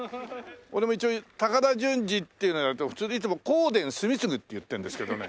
俺も一応高田純次っていうのと普通にいつも高田純次って言ってるんですけどね。